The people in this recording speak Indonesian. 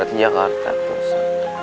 itu masa berapa